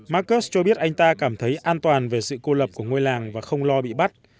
markus cho biết anh ta cảm thấy an toàn về sự cô lập của ngôi làng và không lo bị bắt